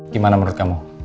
gimana menurut kamu